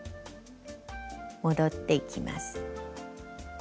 戻っていきます。